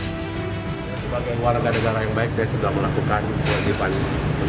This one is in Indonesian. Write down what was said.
sebagai warga negara yang baik saya sudah melakukan kebolehan